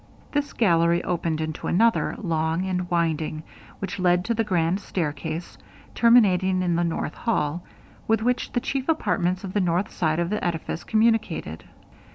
This gallery opened into another, long and winding, which led to the grand staircase, terminating in the north hall, with which the chief apartments of the north side of the edifice communicated.